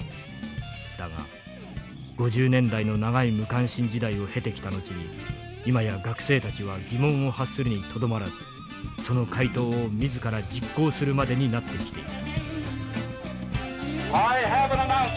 だが５０年代の長い無関心時代を経てきた後に今や学生たちは疑問を発するにとどまらずその回答を自ら実行するまでになってきている」。